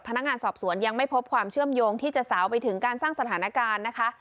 พนักงานสอบสวนยังไม่พบความเชื่อมโยงที่จะสาวไปถึงการสร้างสถานการณ์นะคะ